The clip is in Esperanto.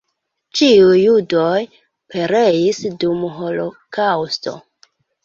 Ĉiuj judoj pereis dum holokaŭsto.